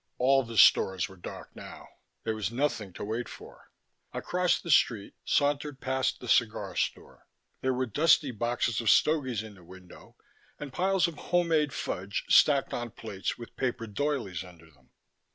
All the stores were dark now. There was nothing to wait for. I crossed the street, sauntered past the cigar store. There were dusty boxes of stogies in the window and piles of homemade fudge stacked on plates with paper doilies under them.